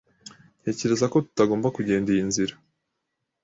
Ntekereza ko tutagomba kugenda iyi nzira.